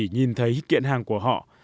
chỉ nhìn thấy kiện hàng của họ